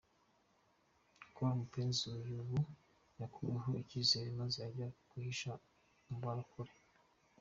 Col Mupenzi uyu ubu yakuweho ikizere maze ajya kwihisha mubarokore.